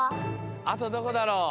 あとどこだろう？